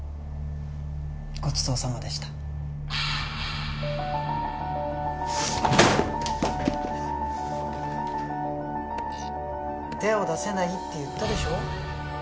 ごちそうさまでした手を出せないって言ったでしょ？